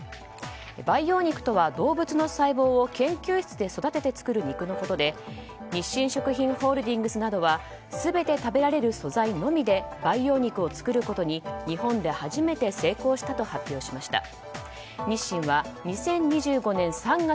培養肉とは動物の細胞を研究室で育てて作る肉のことで日清食品ホールディングスなどは全て食べられる素材のみで培養肉を作ることに日本で初めて成功したと発表しました。